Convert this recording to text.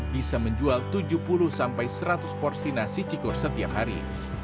bisa menjual tujuh puluh sampai seratus porsi nasi cikur setiap hari